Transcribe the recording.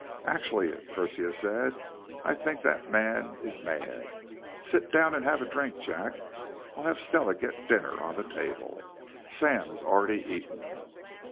"Actually," Persia said, "I think that man is mad. Sit down and have a drink, Jack. I'll have Stella get dinner on the table. Sam has already eaten."